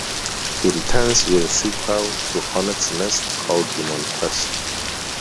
He returns with a sequel to "Hornets' Nest" called "Demon Quest".